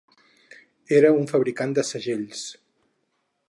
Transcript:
Era un fabricant de segells.